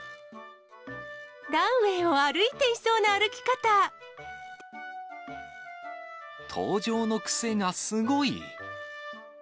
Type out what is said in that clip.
ランウエーを歩いていそうな登場の癖がすごい。